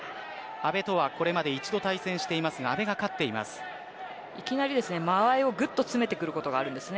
阿部詩はこれまで一度対戦していますがいきなり間合いをぐっと詰めてくることがあります。